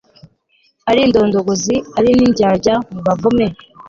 ari indondogozi, ari n'indyarya, mubavume